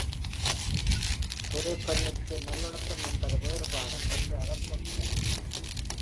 பெரு பெண்ணிற்கு நல்லொழுக்கம் என்பது வேறுபாடும், என்று அவர் சொல்கிறார்.